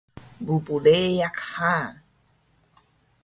pbleyaq ha!